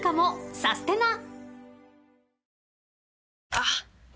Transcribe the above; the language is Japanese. あっ！